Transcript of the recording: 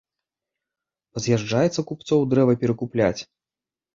Паз'язджаецца купцоў дрэва перакупляць.